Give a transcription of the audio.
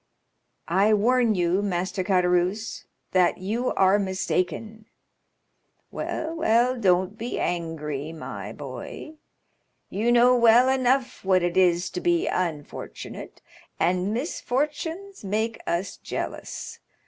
"I warn you, Master Caderousse, that you are mistaken." "Well, well, don't be angry, my boy; you know well enough what it is to be unfortunate; and misfortunes make us jealous.